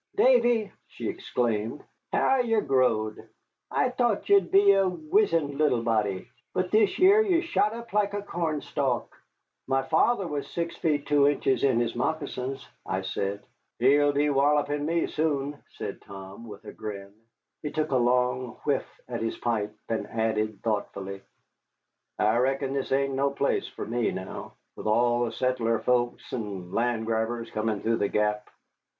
"Davy," she exclaimed, "how ye've growed! I thought ye'd be a wizened little body, but this year ye've shot up like a cornstalk." "My father was six feet two inches in his moccasins," I said. "He'll be wallopin' me soon," said Tom, with a grin. He took a long whiff at his pipe, and added thoughtfully, "I reckon this ain't no place fer me now, with all the settler folks and land grabbers comin' through the Gap."